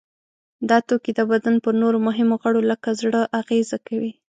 دا توکي د بدن پر نورو مهمو غړو لکه زړه اغیزه کوي.